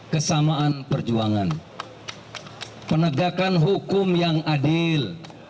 kesamaan perjuangan penegakan hukum yang adil